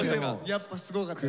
やっぱすごかったです。